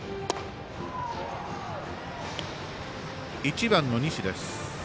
１番の西です。